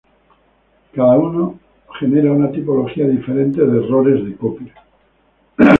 Cada una genera una tipología diferente de errores de copia.